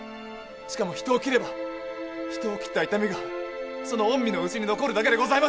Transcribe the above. しかも人を斬れば人を斬った痛みがその御身の内に残るだけでございましょう！